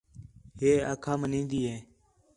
ہِے آکھا منیدی ہِے